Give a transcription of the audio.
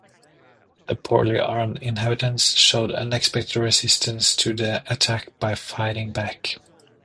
The poorly armed inhabitants showed unexpected resistance to the attack by fighting back.